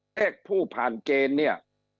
เลขผู้ผ่านเกณฑ์เนี่ย